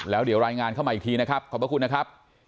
แล้วเดี๋ยวรายงานเข้ามาอีกทีนะครับขอบพระคุณนะครับ